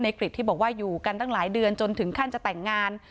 กริจที่บอกว่าอยู่กันตั้งหลายเดือนจนถึงขั้นจะแต่งงาน